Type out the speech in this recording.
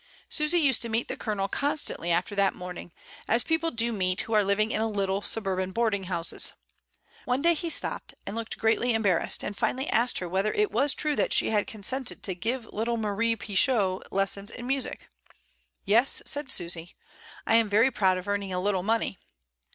Susy used to meet the Colonel constantly after that morning, as people do meet who are living in little suburban boarding houses. One day he stopped, and looked greatly embarrassed, and finally asked her whether it was true that she had consented to give little Marie Pichot lessons in music. "Yes," said Susy, "I am very proud of earning a little money."